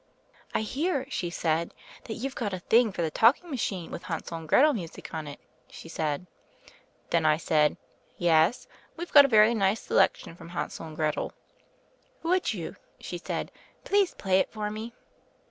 'I hear,' she said, 'that you've got a thing for the talking machine with Hansel and Gretel music on it,' she said. Then I said, 'Yes : we've got a very nice selection from Hansel and Gretel.' 'Would you,' she said, 'please play it for me